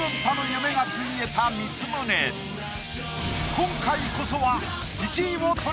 今回こそは。